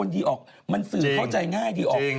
ก็คือว่านมอย่ายก